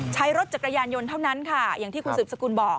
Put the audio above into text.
ใช้รถจักรยานยนต์เท่านั้นค่ะอย่างที่คุณสืบสกุลบอก